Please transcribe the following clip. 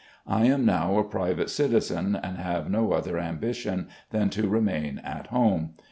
I am now a private citizen, and have no other ambition than to remain at home.